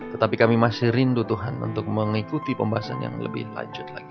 tetapi kami masih rindu tuhan untuk mengikuti pembahasan yang lebih lanjut lagi